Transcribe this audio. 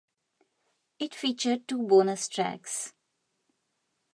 It featured two bonus tracks.